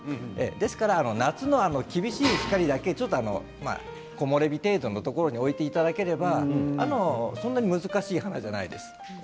ですから夏の厳しい光だけ木漏れ日程度のところに置いていただければあとは難しい花ではありません。